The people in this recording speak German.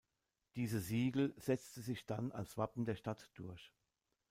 Diese Siegel setzte sich dann als Wappen der Stadt durch.